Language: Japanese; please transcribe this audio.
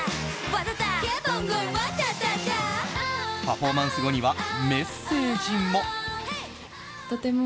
パフォーマンス後にはメッセージも。